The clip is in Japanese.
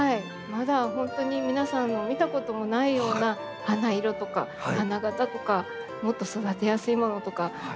まだ本当に皆さんの見たこともないような花色とか花形とかもっと育てやすいものとか目指していますので。